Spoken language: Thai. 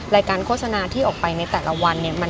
รายการโฆษณาที่ออกไปในแต่ละวันเนี่ย